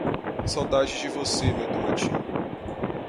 Saudades de você, meu tomatinho